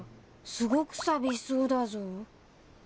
すごく寂しそうだぞ。